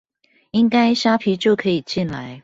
應該蝦皮就可以進來